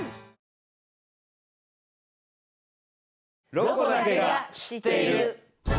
「ロコだけが知っている」。